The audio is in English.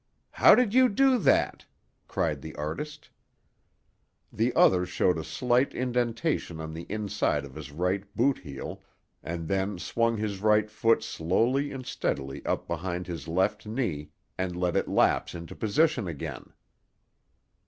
"How did you do that?" cried the artist. The other showed a slight indentation on the inside of his right boot heel, and then swung his right foot slowly and steadily up behind his left knee, and let it lapse into position again.